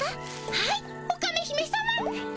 はいオカメ姫さま。